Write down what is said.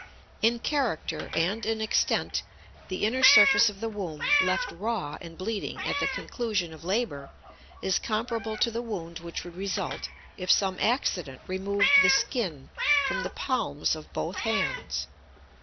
In character and in extent the inner surface of the womb, left raw and bleeding at the conclusion of labor, is comparable to the wound which would result if some accident removed the skin from the palms of both hands.